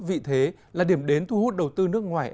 vị thế là điểm đến thu hút đầu tư nước ngoài